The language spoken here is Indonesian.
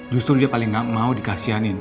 justru dia paling gak mau dikasihanin